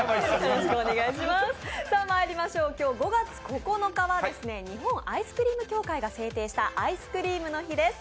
今日５月９日は日本アイスクリーム協会が制定したアイスクリームの日です。